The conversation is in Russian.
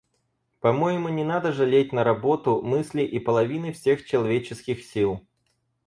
По-моему, не надо жалеть на работу мысли и половины всех человеческих сил.